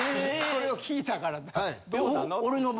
それを聞いたから「どうなの？」